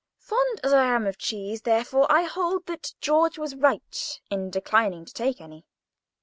Fond as I am of cheese, therefore, I hold that George was right in declining to take any.